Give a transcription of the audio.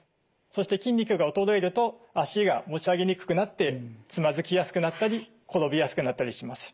そして筋肉が衰えると足が持ち上げにくくなってつまずきやすくなったり転びやすくなったりします。